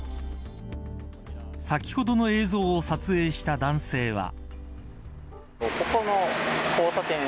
先ほどの映像を撮影した男性は。